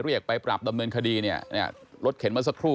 เรียกไปปรับดำเนินคดีเนี่ยรถเข็นเมื่อสักครู่